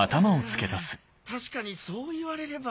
あ確かにそう言われれば。